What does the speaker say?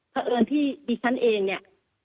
เพราะเอิญที่ดิฉันเองเนี่ย